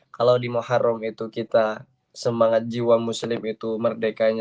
kalau di muharam itu kita semangat jiwa muslim itu merdekanya